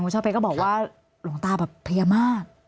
คุณช่อเพจก็บอกว่าลองตาแบบเพียบมาก